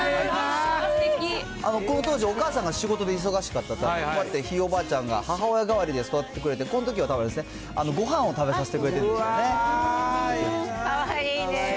この当時、お母さんが仕事で忙しかったため、こうやってひいおばあちゃんが、母親代わりで育ててくれて、このときはたぶんですね、ごはんを食べさせてくれてるんですね。かわいいね。